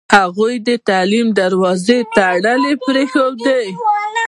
هغوی د تعلیم دروازه تړلې پرېښوده.